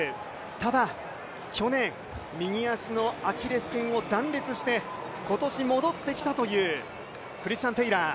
ただ去年、右足のアキレスけんを断裂して今年戻ってきたというクリスチャン・テイラー。